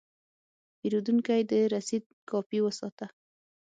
پیرودونکی د رسید کاپي وساته.